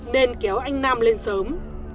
nên kéo anh nam lên sớm